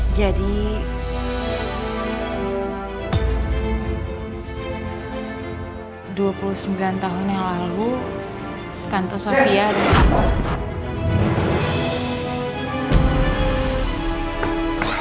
jadi dua puluh sembilan tahun yang lalu tante sofia dan